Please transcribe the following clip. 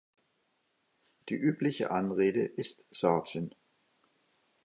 Die übliche Anrede ist "„Sergeant“.